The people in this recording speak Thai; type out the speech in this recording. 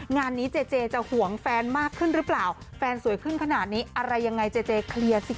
งานนี้เจเจจะห่วงแฟนมากขึ้นหรือเปล่าแฟนสวยขึ้นขนาดนี้อะไรยังไงเจเจเคลียร์สิค